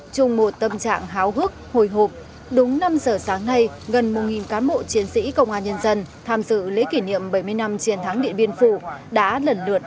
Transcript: chúng một tâm trạng háo hức hồi hộp đúng năm giờ sáng nay gần một cán bộ chiến sĩ công an nhân dân tham dự lễ kỷ niệm bảy mươi năm chiến thắng điện biên phủ đã lần lượt hành quân hướng về điện biên